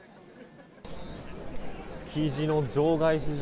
築地の場外市場。